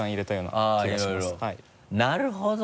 なるほど。